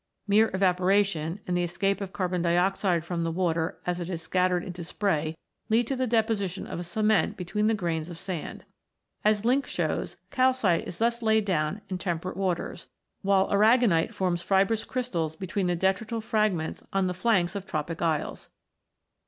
Mere evaporation, and the escape of carbon dioxide from in] THE SANDSTONES 61 the water as it is scattered into spray, lead to the deposition of a cement between the grains of sand. As Linck(6) shows, calcite is thus laid down in tem perate waters, while aragonite forms fibrous crystals between the detrital fragments on the flanks of tropic isles.